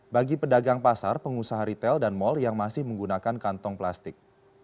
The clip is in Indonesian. bagi pedagang pasar pengusaha retail dan mal yang masih menggunakan kantong plastik